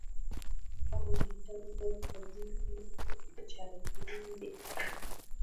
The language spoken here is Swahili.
Wao ni chanzo tajiri cha viumbe hai